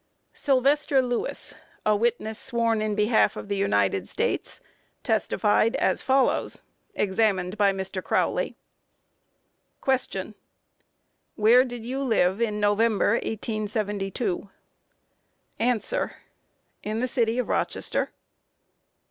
] SYLVESTER LEWIS, a witness sworn in behalf of the United States, testified as follows: Examined by MR. CROWLEY: Q. Where did you live in November, 1872? A. In the city of Rochester.